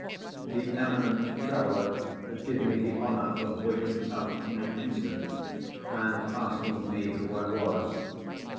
The eminent traveller did me the honour of waking up in an instant, and asking me who I was.